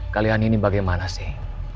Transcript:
kalian ini bagaimana sih